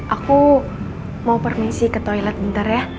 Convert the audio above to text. aku mau permisi ke toilet bentar ya